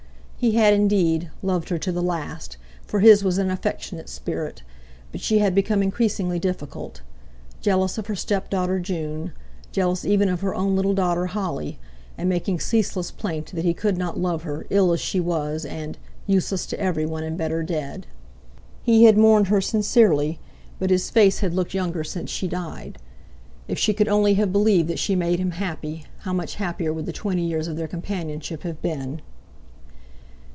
He had, indeed, loved her to the last, for his was an affectionate spirit, but she had become increasingly difficult: jealous of her step daughter June, jealous even of her own little daughter Holly, and making ceaseless plaint that he could not love her, ill as she was, and "useless to everyone, and better dead." He had mourned her sincerely, but his face had looked younger since she died. If she could only have believed that she made him happy, how much happier would the twenty years of their companionship have been!